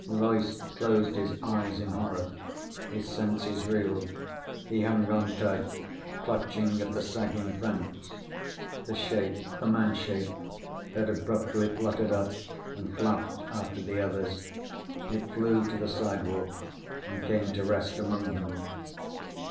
Loyce closed his eyes in horror. His senses reeled. He hung on tight, clutching at the sagging fence. The shape, the man shape, had abruptly fluttered up and flapped after the others. It flew to the sidewalk and came to rest among them.